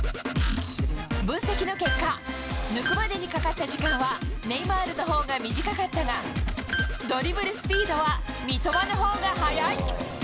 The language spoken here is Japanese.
分析の結果、抜くまでにかかった時間はネイマールのほうが短かったが、ドリブルスピードは三笘のほうが速い。